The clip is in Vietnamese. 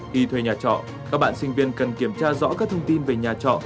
khi thuê nhà trọ các bạn sinh viên cần kiểm tra rõ các thông tin về nhà trọ